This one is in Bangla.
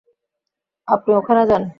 আপনি ওখানে যান।